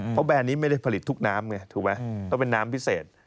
เพราะแบรนด์นี้ไม่ได้ผลิตทุกน้ำไงถูกไหมเพราะเป็นน้ำพิเศษ